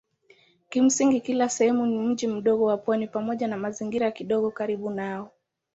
Kimsingi kila sehemu ni mji mdogo wa pwani pamoja na mazingira kidogo karibu nao.